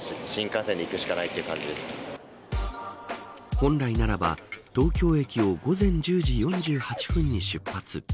本来ならば東京駅を午前１０時４８分に出発。